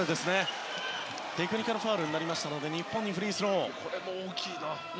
テクニカルファウルになりましたので日本にフリースロー。